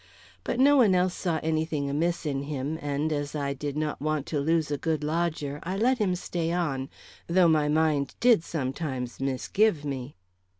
But no one else saw any thing amiss in him, and, as I did not want to lose a good lodger, I let him stay on, though my mind did sometimes misgive me."